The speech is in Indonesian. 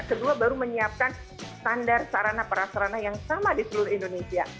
kedua baru menyiapkan standar sarana perasarana yang sama di seluruh indonesia